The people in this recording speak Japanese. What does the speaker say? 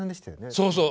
そうそう。